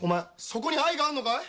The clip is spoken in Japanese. そこに愛があんのかい？